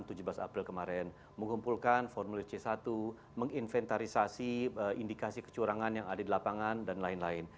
tanggal tujuh belas april kemarin mengumpulkan formulir c satu menginventarisasi indikasi kecurangan yang ada di lapangan dan lain lain